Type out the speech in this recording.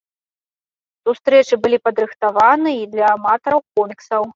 Сустрэчы былі падрыхтаваны і для аматараў коміксаў.